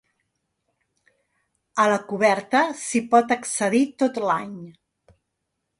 A la coberta s'hi pot accedir tot l'any.